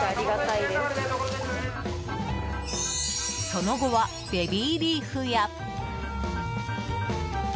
その後はベビーリーフや。